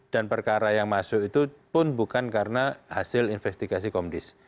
dan perkara yang masuk itu pun bukan karena hasil investigasi komdis